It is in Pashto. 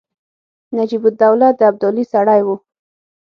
نجیب الدوله د ابدالي سړی وو.